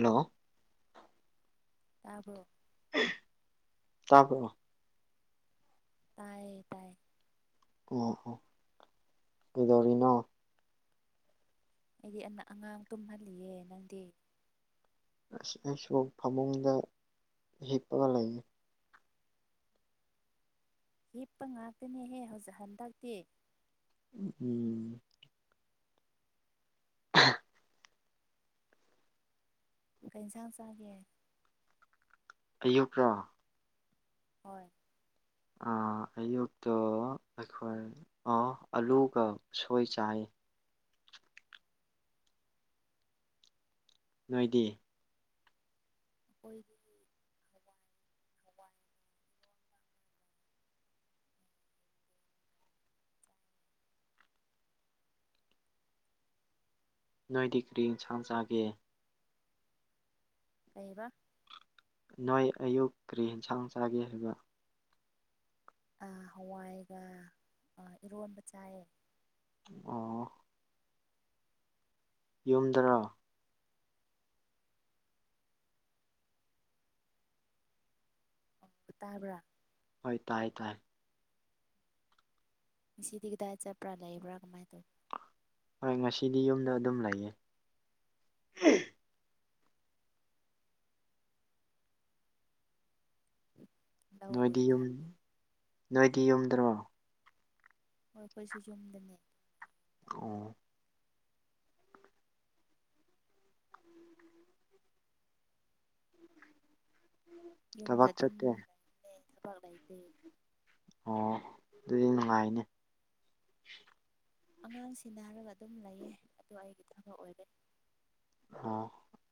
hello ꯇꯥꯕꯔ‌ꯣ ꯇꯥꯄ ꯇꯥꯏꯌꯦ ꯇꯥꯏꯌꯦ ꯑꯣ ꯀꯩꯗꯧꯔꯤꯅꯣ ꯑꯩꯗꯤ ꯑꯉꯥꯡ ꯇꯨꯝꯍꯜꯂꯤꯌꯦ ꯅꯪꯗꯤ ꯑꯁ ꯑꯩꯁꯨ ꯐꯃꯨꯡꯗ ꯍꯤꯞꯄꯒ ꯂꯩꯌꯦ ꯍꯞꯄ ꯉꯥꯛꯇꯅꯦꯍꯦ ꯍꯧꯖꯤꯛ ꯍꯟꯗꯛꯇꯤ ꯎꯝ ꯑ ꯀ ꯏꯟꯁꯥꯡ ꯆꯥꯒꯦ ꯑꯌꯨꯛ꯭ꯔꯣ ꯍꯣꯏ ꯑꯌꯨꯛꯇꯣ ꯑꯩꯈꯣꯏ ꯑꯂꯨꯒ ꯁꯣꯏ ꯆꯥꯏ ꯅꯣꯏꯗꯤ ꯑꯣꯏꯣꯏ ꯅꯣꯏꯗꯤ ꯀꯔꯤ ꯌꯦꯟꯁꯥꯡ ꯆꯥꯒꯦ ꯀꯩꯕ ꯅꯣꯏ ꯑꯌꯨꯛ ꯀꯔꯤ ꯌꯦꯟꯁꯥꯡ ꯆꯥꯒꯦ ꯍꯥꯏꯕ ꯍꯋꯥꯏꯒ ꯏꯔꯣꯟꯕ ꯆꯥꯏꯌꯦ ꯑꯣ ꯌꯨꯝꯗꯅ ꯇꯥꯕ꯭ꯔꯥ ꯍꯣꯏ ꯇꯥꯏ ꯇꯥꯏ ꯁꯤꯗꯤ ꯀꯗꯥꯏ ꯆꯠꯄ꯭ꯔꯥ ꯂꯩꯕ꯭ꯔꯥ ꯀꯃꯥꯏꯅ ꯇꯧ ꯍꯣꯏ ꯉꯁꯤꯗꯤ ꯌꯨꯝꯗ ꯑꯗꯨꯝ ꯂꯩꯌꯦ ꯂꯧ ꯅꯣꯏꯗꯤ ꯌꯨꯝ ꯂꯣꯏꯅꯔꯕꯣ ꯅꯣꯏꯗꯤ ꯌꯨꯝꯗ꯭ꯔꯣ ꯍꯣꯏ ꯑꯩꯈꯣꯏꯁꯨ ꯌꯨꯝꯗꯅꯦ ꯑꯣ ꯌꯨꯝꯗ ꯊꯕꯛ ꯑꯗꯨꯝ ꯆꯠꯇꯦ ꯂꯩꯔꯦ ꯊꯕꯛ ꯂꯩꯇꯦ ꯑꯣ ꯑꯗꯨꯗꯤ ꯅꯨꯡꯉꯥꯏꯅꯦ ꯑꯉꯥꯡ ꯁꯤꯟꯅꯔꯒ ꯑꯗꯨꯝ ꯂꯩꯌꯦ ꯑꯗꯣ ꯑꯩꯒꯤ ꯊꯕꯛ ꯑꯣꯏꯔꯦ ꯑꯣ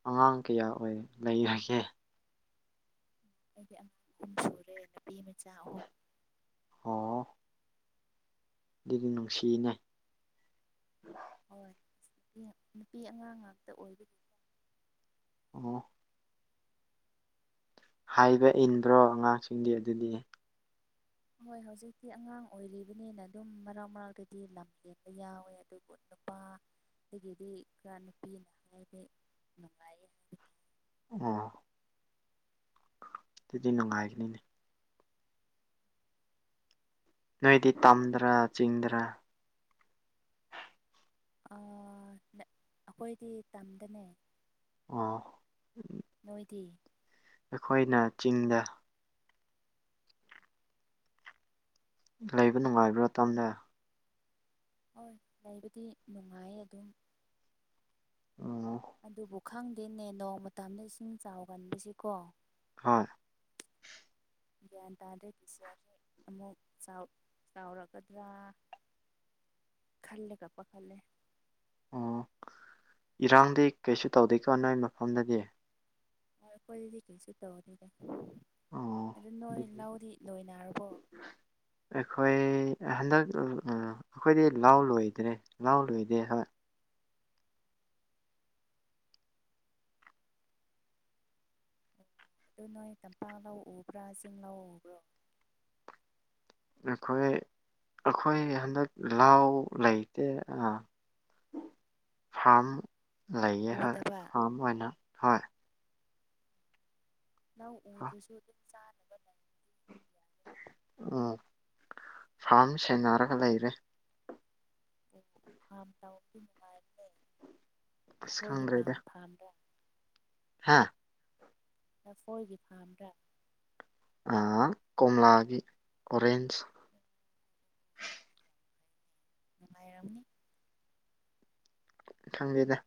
ꯑꯉꯥꯡ ꯀꯌꯥ ꯑꯣꯏ ꯂꯩꯔꯒꯦ ꯑꯩꯗꯤ ꯑꯉꯥꯡ ꯑꯍꯨꯝ ꯁꯨꯔꯦ ꯅꯨꯄꯤ ꯃꯆꯥ ꯑꯍꯨꯝ ꯑꯣ ꯑꯗꯨꯗꯤ ꯅꯨꯡꯁꯤꯌꯦꯅꯦ ꯍꯣꯏ ꯅꯨꯄꯤ ꯑꯉꯥꯡ ꯉꯥꯛꯇ ꯑꯣꯏꯗꯅꯤ ꯑꯣ ꯍꯥꯏꯕ ꯏꯟꯕ꯭ꯔꯣ ꯑꯉꯥꯡꯁꯤꯡꯗꯤ ꯑꯗꯨꯗꯤ ꯍꯣꯏ ꯍꯧꯖꯤꯛꯇꯤ ꯑꯉꯥꯡ ꯑꯣꯏꯔꯤꯕꯅꯤꯅ ꯑꯗꯨꯝ ꯃꯔꯥꯎ ꯃꯔꯥꯛꯗꯗꯤ ꯂꯝ ꯍꯦꯟꯕ ꯌꯥꯎꯋꯦ ꯑꯗꯨꯕꯨ ꯑꯗꯨꯝ [inaudible] ꯑꯗꯒꯤꯗꯤ ꯈꯔ ꯅꯨꯄꯤꯅ ꯍꯥꯏꯁꯦ ꯅꯨꯡꯉꯥꯏꯌꯦ ꯍꯥꯏ ꯑꯣ ꯑꯗꯨꯗꯤ ꯅꯨꯡꯉꯥꯏꯒꯅꯤꯅꯦ ꯅꯣꯏꯗꯤ ꯇꯝꯗꯔꯥ ꯆꯤꯡꯗꯔꯥ ꯑꯩꯈꯣꯏꯗꯤ ꯇꯝꯗꯅꯦ ꯑ ꯅꯣꯏꯗꯤ ꯑꯩꯈꯣꯏꯅ ꯆꯤꯡꯗ ꯂꯩꯕ ꯅꯨꯡꯉꯥꯏꯕ꯭ꯔꯥ ꯇꯝꯗ ꯍꯣꯏ ꯂꯩꯕꯗꯤ ꯅꯨꯡꯉꯥꯏ ꯑꯗꯨꯝ ꯎꯝ ꯑꯗꯨꯕꯨ ꯈꯪꯗꯦꯅꯦ ꯅꯣꯡ ꯃꯇꯝꯗ ꯏꯁꯤꯡ ꯆꯥꯎꯒꯟꯕꯁꯤꯀꯣ ꯍꯣꯏ ꯒ꯭ꯌꯥꯟ ꯇꯗꯦ ꯄꯁꯌꯥꯁꯨꯦ [inaudible] ꯑꯃꯨꯛ ꯆꯥꯎ ꯆꯥꯎꯔꯛꯀꯗ꯭ꯔꯥ ꯈꯜꯂꯒ ꯄꯥꯈꯠꯂꯦ ꯑꯣ ꯏꯔꯥꯡꯗꯤ ꯀꯩꯁꯨ ꯇꯧꯗꯦꯀꯣ ꯅꯣꯏ ꯃꯐꯝꯗꯗꯤ ꯍꯣꯏ ꯑꯩꯈꯣꯏꯗꯤ ꯀꯩꯁꯨ ꯇꯧꯗꯦꯗ ꯑꯣ ꯑꯗꯨ ꯅꯣꯏ ꯑꯗꯨꯗꯤ ꯂꯧꯗꯤ ꯂꯣꯏꯅꯔꯕꯣ ꯑꯩꯈꯣꯏ ꯍꯟꯗꯛ ꯑꯩꯈꯣꯏꯗꯤ ꯂꯥꯎ ꯂꯣꯏꯗ꯭ꯔꯦ ꯂꯥꯎ ꯂꯣꯏꯗꯦ ꯍꯣꯢ ꯑꯗꯨ ꯅꯣꯏ ꯇꯝꯄꯥꯛ ꯂꯧ ꯎꯕ꯭ꯔꯥ ꯆꯤꯡ ꯂꯥ ꯎꯕ꯭ꯔꯥ ꯑꯩꯈꯣꯏ ꯑꯩꯈꯣꯏ ꯍꯟꯗꯛ ꯂꯥꯎ ꯂꯩꯇꯦ ꯐꯥꯔꯝ ꯂꯩꯌꯦ ꯍꯣꯏ ꯎꯗꯕ ꯐꯥꯔꯝ ꯑꯣꯏꯅ ꯍꯣꯏ ꯂꯧ ꯎꯗꯔꯥꯁꯨ ꯑꯗꯨꯝ ꯆꯥꯅꯕ ꯂꯩ ꯎꯝ ꯐꯥꯝ ꯁꯦꯟꯅꯔꯒ ꯂꯩꯔꯦ ꯑꯣ ꯐꯥꯝ ꯇꯧꯕꯗꯤ ꯅꯨꯡꯉꯥꯏꯕꯅꯦ ꯑꯁ ꯅꯈꯣꯏꯒꯤ ꯄꯥꯝ ꯐꯥꯝꯗꯣ ꯍꯥꯥ ꯂꯐꯣꯏꯒꯤ ꯐꯥꯝꯗ ꯑꯥ ꯀꯣꯝꯂꯥꯒꯤ ꯑꯣꯔꯦꯟ ꯅꯨꯡꯉꯥꯏꯔꯝꯅꯤ ꯈꯪꯗꯦꯗ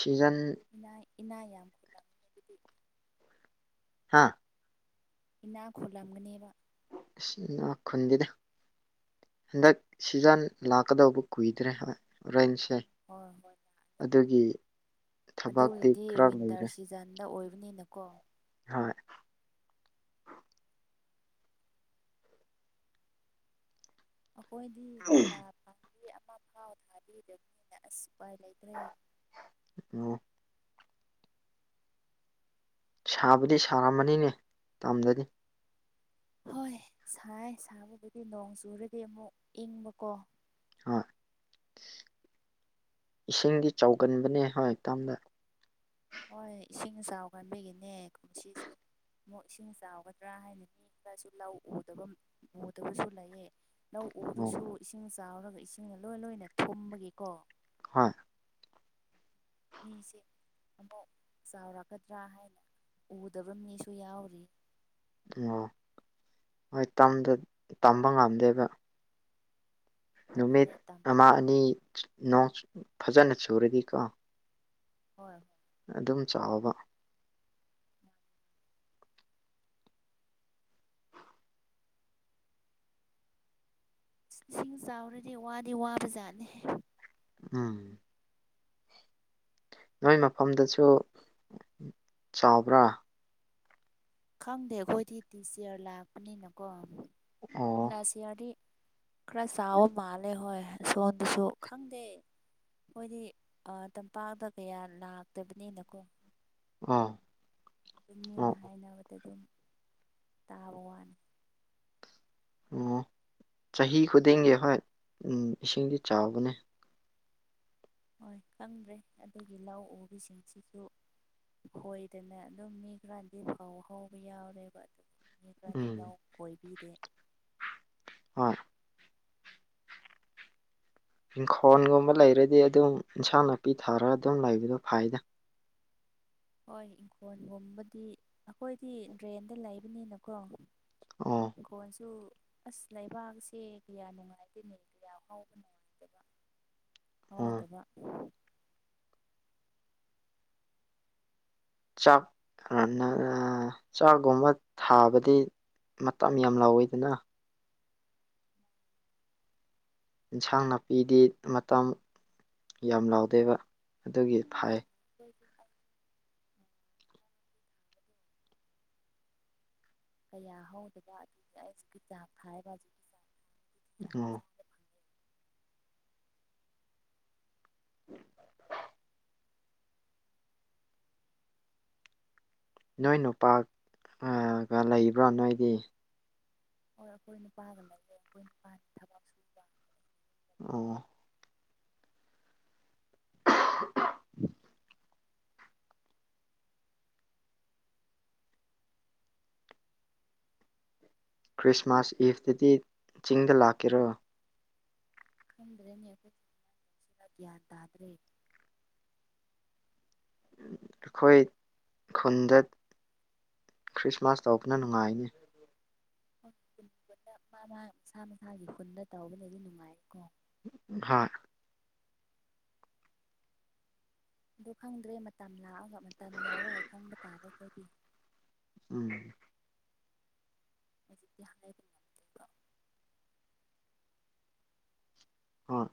ꯁꯤꯆꯥꯟ ꯏꯅꯥ ꯌꯥꯝ ꯌꯥꯝ ꯍꯥꯥ ꯏꯅꯥꯛ ꯈꯣꯜꯂꯝꯒꯅꯦꯕ ꯢꯅꯥꯛ ꯈꯨꯟꯗꯦꯗ ꯍꯟꯗꯛ ꯁꯤꯖꯟ ꯂꯥꯛꯀꯗꯧꯕ ꯀꯨꯏꯗ꯭ꯔꯦ ꯑꯣꯔꯦꯟꯁꯦ ꯍꯣꯏ ꯍꯣꯏ ꯊꯕꯛꯇꯤ ꯑꯗꯨꯒꯤꯗꯤ ꯈꯔ ꯋꯤꯟꯇꯔ ꯂꯩꯔꯦ ꯁꯤꯖꯟꯗ ꯑꯣꯏꯕꯅꯤꯅꯀꯣ ꯀꯣ ꯍꯣꯏ ꯑꯩꯈꯣꯏꯗꯤ ꯀꯣꯝꯂꯥ ꯄꯥꯝꯕꯤ ꯑꯃ ꯐꯥꯎ ꯊꯥꯕꯤꯗꯕꯅꯤꯅ ꯑꯁ ꯎꯄꯥꯏ ꯂꯩꯇ꯭ꯔꯦ ꯑꯣ ꯁꯥꯕꯨꯗꯤ ꯁꯥꯔꯝꯃꯅꯤꯅꯦ ꯇꯝꯗꯗꯤ ꯍꯣꯏ ꯁꯥꯏ ꯁꯥꯕꯕꯨꯗꯤ ꯅꯣꯡ ꯆꯨꯔꯗꯤ ꯑꯃꯨꯛ ꯏꯪꯕꯀꯣ ꯍꯣꯏ ꯏꯁꯤꯡꯗꯤ ꯆꯥꯎꯒꯟꯕꯅꯦ ꯍꯣꯏ ꯇꯝꯗꯣ ꯍꯣꯏ ꯏꯁꯤꯡ ꯏꯆꯥꯎ ꯆꯥꯎꯀꯟꯕꯒꯤꯅꯦ ꯀꯨꯝꯁꯤꯁꯦ ꯑꯃꯨꯛ ꯏꯁꯤꯡ ꯆꯥꯎꯒꯗ꯭ꯔꯥ ꯍꯥꯏꯅ ꯃꯤ ꯈꯔꯁꯨ ꯂꯧ ꯎꯗꯕ ꯎꯗꯕꯁꯨ ꯂꯩꯌꯦ ꯂꯧ ꯑꯣ ꯎꯗ꯭ꯔꯁꯨ ꯏꯁꯤꯡ ꯆꯥꯎꯔꯒ ꯏꯁꯤꯡꯅ ꯂꯣꯏ ꯂꯣꯏꯅ ꯊꯨꯝꯕꯒꯤꯀꯣ ꯍꯣꯏ ꯃꯤꯁꯦ ꯑꯃꯨꯛ ꯆꯥꯎꯔꯛꯀꯗ꯭ꯔꯥ ꯍꯥꯏꯅ ꯎꯗꯕ ꯃꯤꯁꯨ ꯌꯥꯎꯔꯤ ꯑꯣ ꯍꯣꯏ ꯇꯝꯕ ꯉꯝꯗꯦꯕ ꯅꯨꯃꯤꯠ ꯑꯗꯨꯅꯦ ꯑꯃ ꯇꯝꯂꯒ ꯑꯅꯤ ꯅꯣꯡ ꯐꯖꯅ ꯆꯨꯔꯗꯤꯀꯣ ꯍꯣꯏ ꯑꯗꯨꯝ ꯆꯥꯎꯕ ꯏꯁꯤꯡ ꯆꯥꯎꯔꯗꯤ ꯋꯥꯗꯤ ꯋꯥꯕ ꯖꯥꯠꯅꯤ ꯎꯝ ꯅꯣꯏ ꯃꯐꯝꯗꯨꯁꯨ ꯆꯥꯎꯕ꯭ꯔꯥ ꯈꯪꯗꯦ ꯑꯩꯈꯣꯏꯗꯤ ꯇꯤꯆꯌꯔ ꯂꯥꯛꯄꯅꯤꯅꯀꯣ ꯑꯣ ꯌꯥꯔꯗꯤ ꯈꯔ ꯆꯥꯎꯕ ꯃꯥꯜꯂꯦ ꯍꯣꯏ ꯁꯣꯝꯗꯁꯨ ꯈꯪꯗꯦ ꯈꯣꯏꯗꯤ ꯇꯝꯄꯥꯛꯇ ꯀꯌꯥ ꯂꯥꯛꯇꯕꯅꯤꯅꯀꯣ ꯑꯥ ꯑꯗꯨꯝ ꯃꯤꯟꯅ ꯍꯥꯏꯅꯕꯗ ꯑꯗꯨꯝ ꯇꯥꯕ ꯋꯥꯅꯤ ꯑꯣ ꯍꯣꯏ ꯈꯪꯗ꯭ꯔꯦ ꯑꯗꯨꯒꯤ ꯂꯧ ꯎꯕꯤꯁꯤꯡꯁꯤꯁꯨ ꯈꯣꯏꯗꯅ ꯑꯗꯨꯝ ꯃꯤ ꯈꯔꯗꯤ ꯐꯥꯎ ꯍꯧꯕ ꯌꯥꯎꯔꯦꯕ ꯑꯗꯨ ꯃꯤ ꯈꯔꯗꯤ ꯎꯝ ꯂꯧ ꯀꯣꯏꯕꯤꯗꯦ [unintelligible] ꯏꯪꯈꯣꯜꯒꯨꯝꯕ ꯂꯩꯔꯗꯤ ꯑꯗꯨꯝ ꯏꯟꯁꯥꯡ ꯅꯥꯄꯤ ꯊꯥꯔꯒ ꯑꯗꯨꯝ ꯂꯩꯕꯗꯣ ꯐꯥꯏꯗ ꯍꯣꯏ ꯏꯪꯈꯣꯜꯒꯨꯝꯕꯗꯤ ꯑꯩꯈꯣꯏꯗꯤ ꯗ꯭ꯔꯦꯟꯗ ꯂꯩꯕꯅꯤꯅꯀꯣ ꯑꯣ ꯏꯟꯀꯣꯟꯁꯨ ꯑꯁ ꯂꯩꯕꯥꯛꯁꯦ ꯀꯌꯥ ꯅꯨꯡꯉꯥꯏꯇꯦꯅꯤ ꯀꯌꯥ ꯍꯥꯎꯕ ꯅꯨꯡꯉꯥꯏꯇꯕ [inaudible] ꯍꯧꯗꯕꯥ ꯆꯥꯛ ꯆꯥꯛꯒꯨꯝꯕ ꯊꯥꯕꯗꯤ ꯃꯇꯝ ꯌꯥꯝ ꯂꯥꯎꯋꯦꯗꯅ ꯏꯟꯁꯥꯡ ꯅꯥꯄꯤꯗꯤ ꯃꯇꯝ ꯌꯥꯝ ꯂꯥꯎꯗꯦꯕ ꯑꯗꯨꯒꯤ ꯐꯩ [unintelligible] ꯀꯌꯥ ꯍꯧꯗꯕ ꯑꯗꯨꯒꯤ ꯑꯩꯁꯨꯛꯀꯤ ꯆꯥꯡ ꯊꯥꯏꯕ ꯍꯧꯖꯤꯛ ꯑꯣ ꯅꯣꯏ ꯅꯨꯄꯥꯒ ꯂꯩꯕ꯭ꯔꯥ ꯅꯣꯏꯗꯤ ꯍꯣꯏ ꯑꯩꯈꯣꯏ ꯅꯨꯄꯥꯒ ꯂꯩꯔꯦ ꯑꯩꯈꯣꯏ ꯅꯨꯄꯥꯒꯤ ꯊꯕꯛꯁꯨꯨ ꯑꯣ ꯈ꯭ꯔꯤꯁꯃꯥꯁ ꯏꯐꯇꯨꯗꯤ ꯆꯤꯡꯗ ꯂꯥꯛꯀꯦꯔꯣ ꯈꯪꯗ꯭ꯔꯦꯅꯦ ꯑꯩꯈꯣꯏ ꯄꯨꯔ ꯒ꯭ꯌꯥꯟ ꯇꯥꯗ꯭ꯔꯦ ꯑꯩꯈꯣꯏ ꯈꯨꯟꯗ ꯈ꯭ꯔꯤꯁꯃꯥꯁ ꯇꯧꯕꯅ ꯅꯨꯡꯉꯥꯏꯅꯤ ꯈꯨꯟ ꯈꯨꯗ ꯃꯥ ꯃꯥ ꯃꯥ ꯃꯁꯥꯒꯤ ꯈꯨꯟꯗ ꯇꯧꯕꯅꯗꯤ ꯅꯨꯡꯉꯥꯏꯀꯣ ꯍꯣꯏ ꯑꯗꯨ ꯈꯪꯗ꯭ꯔꯦ ꯃꯇꯝ ꯂꯥꯛꯑꯒ ꯃꯇꯝ ꯌꯥꯎꯔꯒ ꯈꯪꯕ ꯇꯥꯔꯦ ꯑꯩꯈꯣꯏꯗꯤ ꯎꯝ ꯍꯧꯖꯤꯛꯇꯤ ꯍꯥꯏ ꯍꯣꯏ